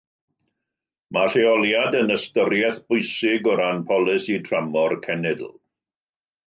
Mae lleoliad yn ystyriaeth bwysig o ran polisi tramor cenedl.